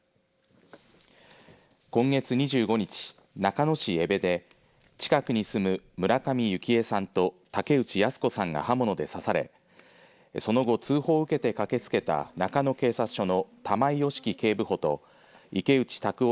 今月２５日、中野市江部で近くに住む村上幸枝さんと竹内靖子さんが刃物で刺されその後通報を受けて駆けつけた中野警察署の玉井良樹警部補と池内卓夫